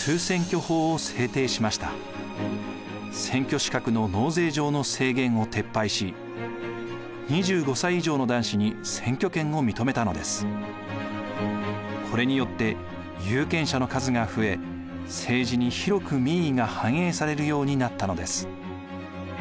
選挙資格の納税上の制限を撤廃しこれによって有権者の数が増え政治に広く民意が反映されるようになったのです。